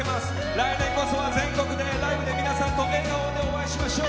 来年こそは全国でライブで皆さんと笑顔でお会いしましょう。